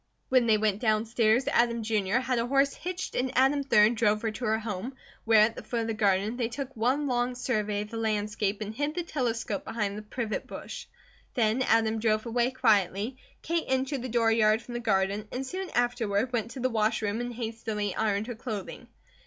When they went downstairs Adam, Jr., had a horse hitched and Adam, 3d, drove her to her home, where, at the foot of the garden, they took one long survey of the landscape and hid the telescope behind the privet bush. Then Adam drove away quietly, Kate entered the dooryard from the garden, and soon afterward went to the wash room and hastily ironed her clothing.